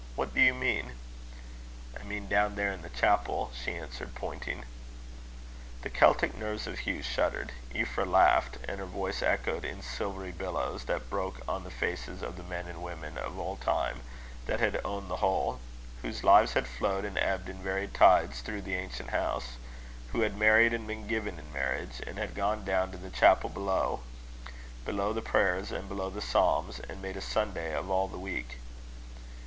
What do you mean?" "I mean down there in the chapel," she answered, pointing. The Celtic nerves of Hugh shuddered. Euphra laughed; and her voice echoed in silvery billows, that broke on the faces of the men and women of old time, that had owned the whole; whose lives had flowed and ebbed in varied tides through the ancient house; who had married and been given in marriage; and gone down to the chapel below below the prayers and below the psalms and made a Sunday of all the week.